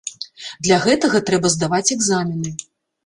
Для гэтага трэба здаваць экзамены.